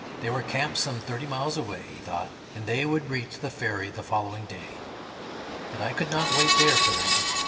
They were camped some thirty miles away, he thought, and they would reach the ferry on the following day. But I could not wait there for them.